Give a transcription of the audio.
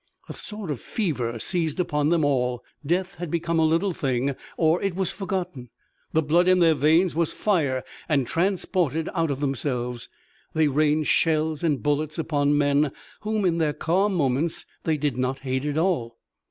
A sort of fever seized upon them all. Death had become a little thing, or it was forgotten. The blood in their veins was fire, and, transported out of themselves, they rained shells and bullets upon men whom in their calm moments they did not hate at all.